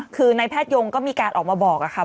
คือในแพทยงก็มีการออกมาบอกค่ะ